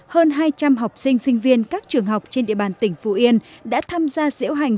hơn hai trăm linh học sinh sinh viên các trường học trên địa bàn tỉnh phú yên đã tham gia diễu hành